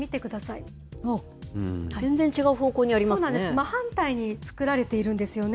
真反対に作られているんですよね。